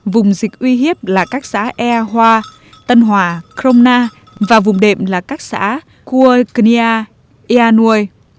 vùng dịch uy hiếp là các xã ea hoa tân hòa krom na và vùng đệm là các xã kua knia ea nui